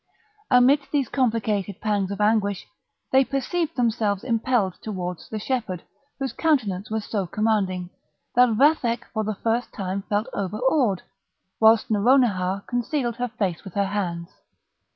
Amidst these complicated pangs of anguish they perceived themselves impelled towards the shepherd, whose countenance was so commanding, that Vathek for the first time felt overawed, whilst Nouronihar concealed her face with her hands.